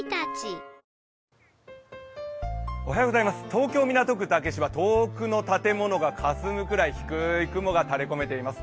東京・港区竹芝、遠くの建物がかすむくらい低い雲が垂れ込めています。